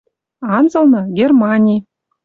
Анзылны — Германи.